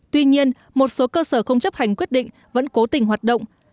tuy nhiên một số cơ sở không chấp hành quyết định vẫn cố tình hoạt động